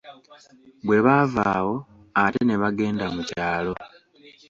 Bwe baava awo, ate ne bagenda mu kyalo.